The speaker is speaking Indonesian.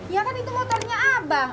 ya kan itu motornya apa